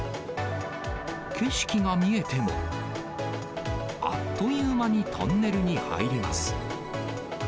景色が見えても、あっという間にトンネルに入ります。